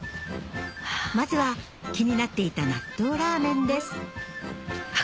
まずは気になっていた納豆ラーメンですあっ